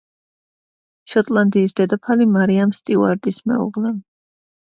შოტლანდიის დედოფალ მარიამ სტიუარტის მეუღლე.